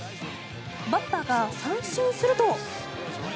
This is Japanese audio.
バッターが三振すると。